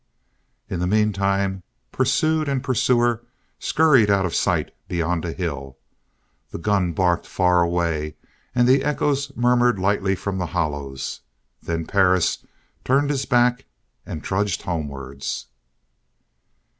In the meantime pursued and pursuer scurried out of sight beyond a hill; the gun barked far away and the echoes murmured lightly from the hollows. Then Perris turned his back and trudged homewards.